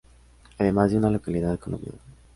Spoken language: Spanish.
Además de una localidad colombiana.